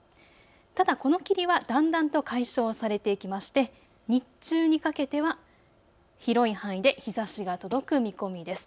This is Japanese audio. ただこの霧はだんだんと解消されていきまして日中にかけては広い範囲で日ざしが届く見込みです。